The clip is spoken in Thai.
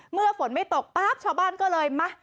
เมื่อฝนไม่ตกปั๊บชาวบ้านก็เลยมา